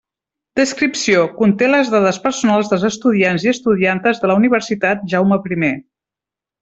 Descripció: conté les dades personals dels estudiants i estudiantes de la Universitat Jaume I.